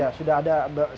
ya sudah ada berikutnya